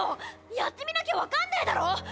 やってみなきゃ分かんねぇだろ！